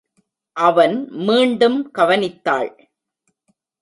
அவன் மீண்டும் கவனித்தாள்.